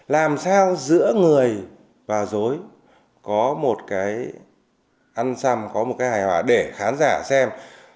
làm sao giữa người và dối có một cái ăn xăm có một cái hài hòa để khán giả xem